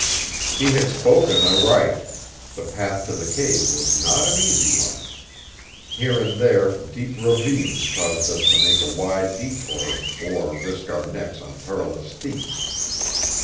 He had spoken aright the path to the cave was not an easy one. Here and there deep ravines caused us to make a wide detour or risk our necks on perilous steeps.